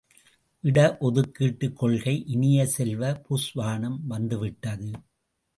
இட ஒதுக்கீட்டுக் கொள்கை இனிய செல்வ, புஸ்வானம் வந்துவிட்டது!